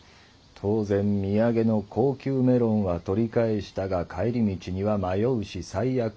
当然土産の高級メロンは取り返したが帰り道には迷うし最悪。